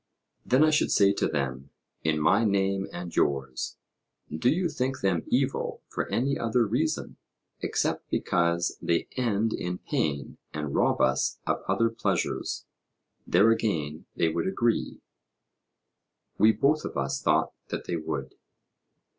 Then I should say to them, in my name and yours: Do you think them evil for any other reason, except because they end in pain and rob us of other pleasures: there again they would agree? We both of us thought that they would.